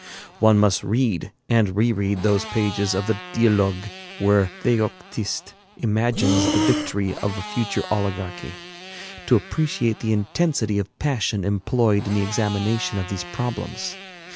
One must read and re read those pages of the 'Dialogues' where Theoctiste imagines the victory of a future oligarchy, to appreciate the intensity of passion employed in the examination of these problems.